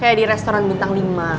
kayak di restoran bintang lima